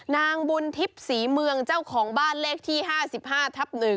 นางบุญทิพย์ศรีเมืองเจ้าของบ้านเลขที่๕๕ทับ๑